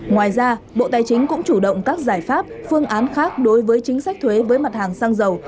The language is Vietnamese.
ngoài ra bộ tài chính cũng chủ động các giải pháp phương án khác đối với chính sách thuế với mặt hàng xăng dầu